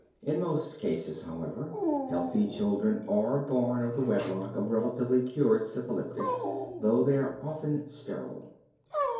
In most cases, however, healthy children are born of the wedlock of relatively cured syphilitics, though they are often sterile.